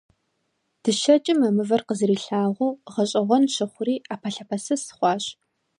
Дыщэкӏым а мывэр къызэрилъагъуу, гъэщӀэгъуэн щыхъури, Ӏэпэлъапэсыс хъуащ.